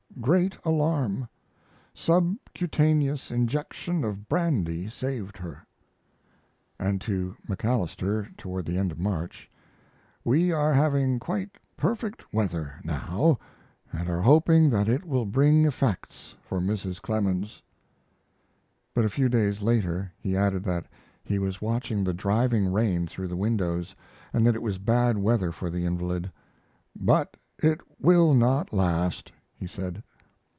Great alarm. Subcutaneous injection of brandy saved her. And to MacAlister toward the end of March: We are having quite perfect weather now & are hoping that it will bring effects for Mrs. Clemens. But a few days later he added that he was watching the driving rain through the windows, and that it was bad weather for the invalid. "But it will not last," he said.